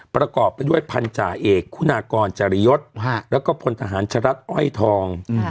ประกอบไปด้วยพันธาเอกคุณากรจริยศแล้วก็พลทหารชะรัฐอ้อยทอง